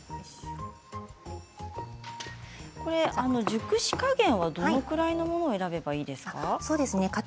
熟し加減はどれぐらいのものを選べばいいですか？